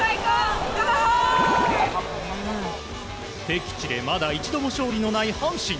敵地でまだ一度も勝利のない阪神。